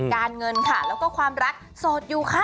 การเงินค่ะแล้วก็ความรักโสดอยู่ค่ะ